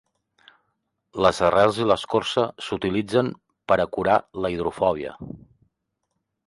Les arrels i l'escorça s'utilitzen per a curar la hidrofòbia.